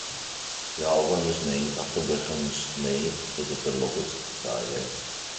The album is named after Wickham's name for his "beloved" violin.